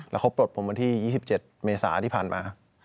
แล้วเขาปลดผมวันที่๒๗เมษาที่ผ่านมา